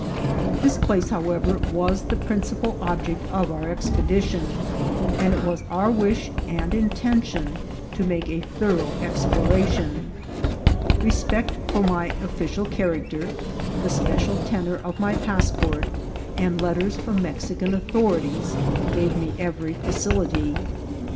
This place, howev er, was the principal object of our expedition, and it was our wish and intention to make a thorough exploration. Respect for my official character, the special tenour of my passport, and letters from Mexican authorities, gave me every facility.